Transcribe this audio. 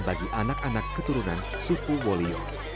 bagi anak anak keturunan suku wolio